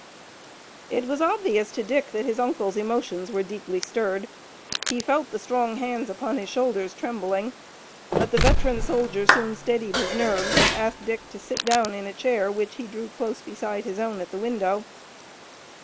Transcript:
It was obvious to Dick that his uncle's emotions were deeply stirred. He felt the strong hands upon his shoulders trembling, but the veteran soldier soon steadied his nerves, and asked Dick to sit down in a chair which he drew close beside his own at the window.